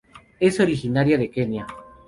Es originaria de Kenia.